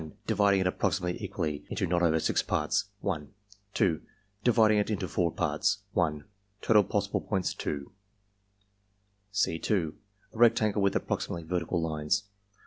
Dividing it approximately equally (into not over 6 parts) .. 1 2. Dividing it into 4 parts 1 Total possible points, 2. (c*) A rectangle with approximately vertical lines 1.